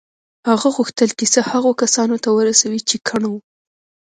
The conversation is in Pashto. هغه غوښتل کیسه هغو کسانو ته ورسوي چې کڼ وو